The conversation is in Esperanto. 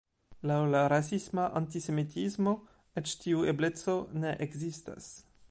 Laŭ la rasisma antisemitismo, eĉ tiu ebleco ne ekzistas.